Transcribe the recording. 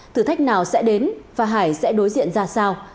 thử thách nào sẽ đến và hải sẽ đối diện ra sao